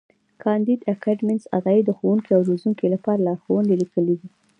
کانديد اکاډميسن عطایي د ښوونکو او زدهکوونکو لپاره لارښوونې لیکلې دي.